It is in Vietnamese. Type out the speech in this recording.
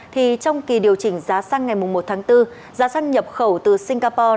trong kỳ điều chỉnh giá xăng ngày mùng một tháng bốn giá xăng nhập khẩu từ singapore